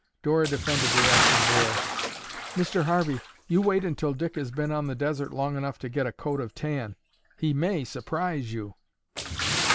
Dora defended the absent boy. "Mr. Harvey, you wait until Dick has been on the desert long enough to get a coat of tan; he may surprise you."